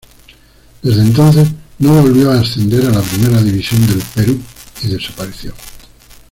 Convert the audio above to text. Desde entonces no volvió a ascender a la Primera División del Perú y desapareció.